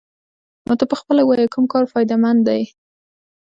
نو ته پخپله ووايه كوم كار فايده مند دې؟